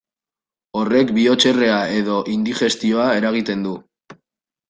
Horrek bihotzerrea edo indigestioa eragiten du.